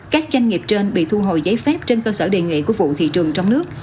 các doanh nghiệp trên bị thu hồi giấy phép trên cơ sở đề nghị của vụ thị trường trong nước